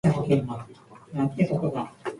リズムにのります。